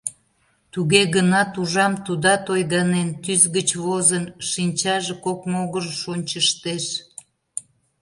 Туге гынат, ужам, тудат ойганен, тӱс гыч возын, шинчаже кок могырыш ончыштеш.